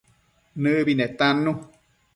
Nëbi netannu